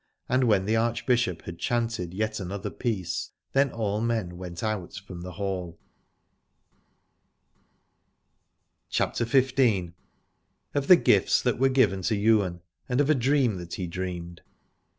And when the Archbishop had chanted yet another piece then all men went out from the hall. 87 CHAPTER XV. OF THE GIFTS THAT WERE GIVEN TO YWAIN AND OF A DREAM THAT HE DREAMED.